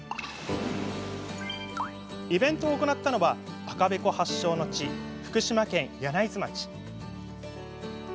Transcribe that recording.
イベントを行ったのは赤べこ発祥の地福島県柳津町。